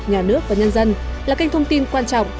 nhà nước và nhân dân là kênh thông tin quan trọng